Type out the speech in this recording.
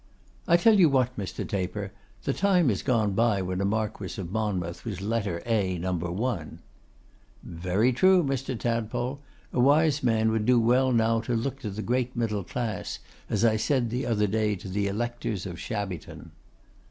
'I tell you what, Mr. Taper, the time is gone by when a Marquess of Monmouth was Letter A, No. 1.' 'Very true, Mr. Tadpole. A wise man would do well now to look to the great middle class, as I said the other day to the electors of Shabbyton.